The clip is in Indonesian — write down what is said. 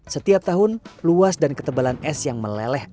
setiap tahun luas dan ketebalan es yang meleleh